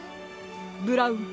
ブラウン。